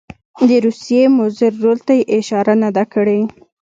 د روسیې مضر رول ته یې اشاره نه ده کړې.